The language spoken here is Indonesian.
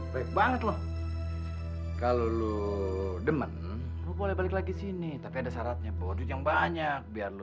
baik banget loh kalau lu demen boleh balik lagi sini tapi ada syaratnya buat yang banyak biar lu